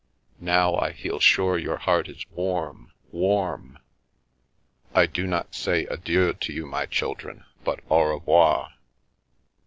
Now I feel sure your heart is warm, warm. I do not say ' adieu ' to you, my children, but ' au revoir.'